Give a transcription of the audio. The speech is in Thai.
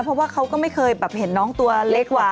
เพราะว่าเขาก็ไม่เคยแบบเห็นน้องตัวเล็กกว่า